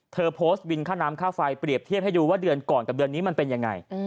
เธอโพสต์บินค่าน้ำค่าไฟเปรียบเทียบให้ดูว่าเดือนก่อนกับเดือนนี้มันเป็นยังไง